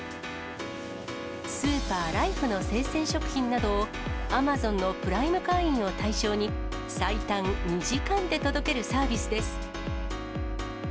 スーパー、ライフの生鮮食品などを、アマゾンのプライム会員を対象に、最短２時間で届けるサービスです。